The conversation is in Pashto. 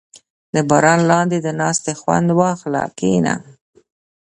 • د باران لاندې د ناستې خوند واخله، کښېنه.